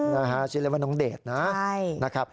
ชื่อเรียนว่าน้องเดชนะ